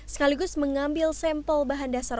sekaligus mengambil sampel bahan dasar